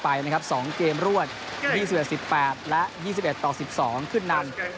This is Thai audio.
ไปนะครับสองเกมรวดยี่สี่เดียดสิบแปดและยี่สิบเอ็ดต่อสิบสองขึ้นนัน